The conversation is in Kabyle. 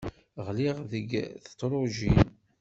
Ɣliɣ deg tedrujin.